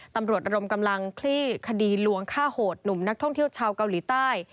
ตำรวจระดมกำลังคลี่คดีลวงฆ่าโหดหนุ่มนักท่องเที่ยวชาวเกาหลีใต้